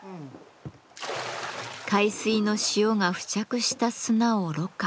海水の塩が付着した砂をろ過。